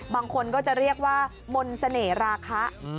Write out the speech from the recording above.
บางคนก็จะเรียกว่ามนต์เสน่หราคะ